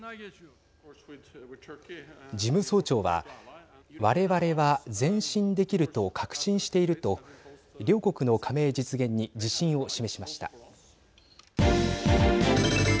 事務総長はわれわれは前進できると確信していると両国の加盟実現に自信を示しました。